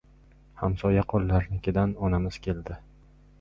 Hamsoya-qo‘llarnikidan onamiz keldi.